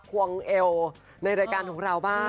ควงเอวในรายการของเราบ้าง